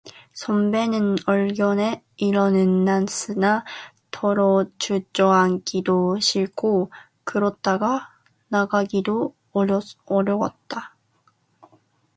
선비는 얼결에 일어는 났으나 도로 주저앉기도 싫고 그렇다고 나가기도 어려웠다.